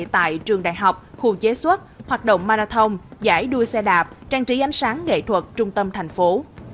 tại trường đại học khu chế xuất hoạt động marathon giải đuôi xe đạp trang trí ánh sáng nghệ thuật trung tâm thành phố